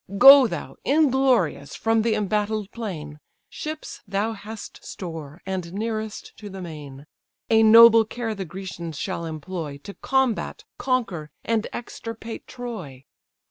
Go thou, inglorious! from the embattled plain; Ships thou hast store, and nearest to the main; A noble care the Grecians shall employ, To combat, conquer, and extirpate Troy.